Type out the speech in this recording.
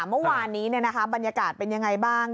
เมื่อวานนี้บรรยากาศเป็นยังไงบ้าง